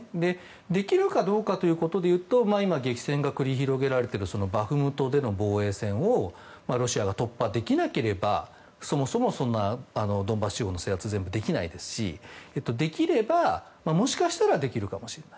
できるかどうかということで言うと今、激戦が繰り広げられているバフムトでの防衛戦をロシアが突破できなければそもそもドンバス地方の制圧は全部できませんしもしかしたらできるかもしれない。